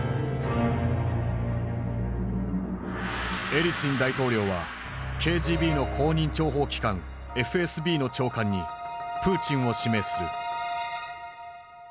エリツィン大統領はＫＧＢの後任諜報機関ＦＳＢの長官にプーチンを指名する。